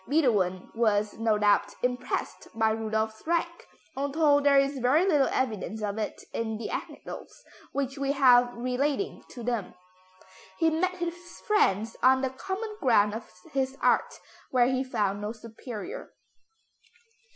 Beethoven was, no doubt, impressed by Rudolph's rank, although there is very little evidence of it in the anecdotes which we have relating to them. He met his friends on the common ground of his art, where he found no superior.